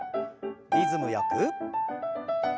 リズムよく。